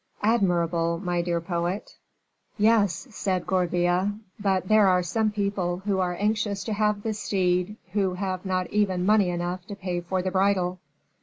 "Admirable, my dear poet." "Yes," said Gourville; "but there are some people who are anxious to have the steed who have not even money enough to pay for the bridle."